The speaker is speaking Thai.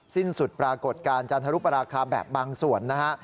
สิ้นสุดปรากฏการณ์จันทรุปราคาแบบบางส่วนนะฮะ